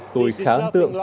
tôi khá ấn tượng